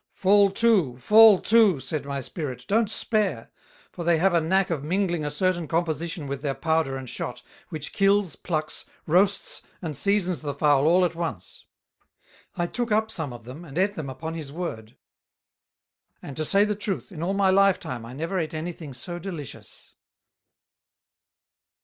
"Fall too, fall too," said my Spirit, "don't spare; for they have a knack of mingling a certain Composition with their Powder and Shot, which Kills, Plucks, Roasts, and Seasons the Fowl all at once." I took up some of them, and eat them upon his word; and to say the Truth, In all my Life time I never eat any thing so delicious.